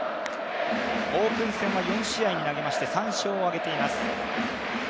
オープン戦は４試合に投げまして３勝を挙げています。